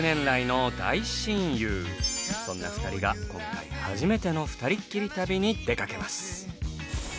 そんな２人が今回初めてのふたりっきり旅に出かけます。